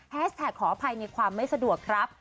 แท็กขออภัยในความไม่สะดวกครับ